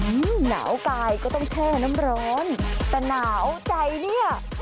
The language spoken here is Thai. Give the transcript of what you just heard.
หนาวกายก็ต้องแช่น้ำร้อนแต่หนาวใจเนี่ย